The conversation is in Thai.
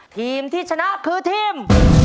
ทีมที่ชนะคือทีม